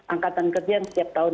angkatan kerja setiap tahun